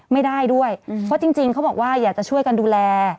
ไม่ได้ด้วยเพราะจริงเขาบอกว่าอยากจะช่วยกันดูแล